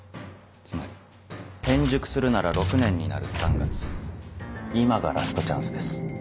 つまり転塾するなら６年になる３月今がラストチャンスです。